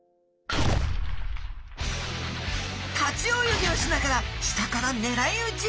立ち泳ぎをしながら下からねらいうち！